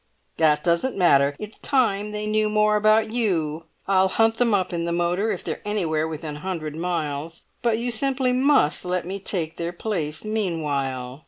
"That doesn't matter. It's time they knew more about you. I'll hunt them up in the motor, if they're anywhere within a hundred miles, but you simply must let me take their place meanwhile."